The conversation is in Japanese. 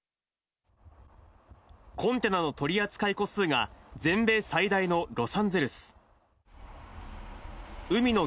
コンテナの取り扱い個数が全米最大のロサンゼルス。